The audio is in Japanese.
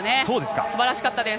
すばらしかったです。